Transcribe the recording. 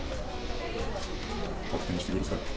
勝手にしてください。